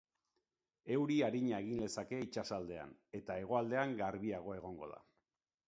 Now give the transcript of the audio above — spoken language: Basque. Euri arina egin lezake itsasaldean, eta hegoaldean garbiago egongo da.